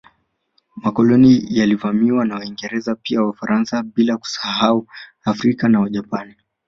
Makoloni yaliyovamiwa na Waingereza pia Wafaransa bila kusahau Afrika na Japani